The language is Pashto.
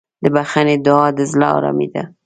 د بښنې دعا د زړه ارامي ده.